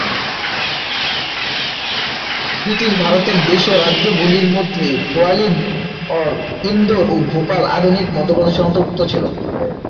British ভারতের দেশীয় রাজ্য গুলির মধ্যে গোয়ালিয়র, ইন্দোর, ও ভোপাল আধুনিক মধ্যপ্রদেশের অন্তর্গত ছিল।